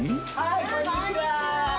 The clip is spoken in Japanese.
こんにちは。